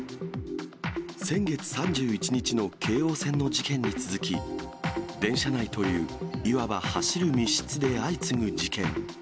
先月３１日の京王線の事件に続き、電車内という、いわば走る密室で相次ぐ事件。